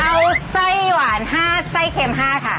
เอาไส้หวาน๕ไส้เค็ม๕ค่ะ